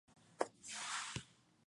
Se atribuye al legendario poeta Valmiki.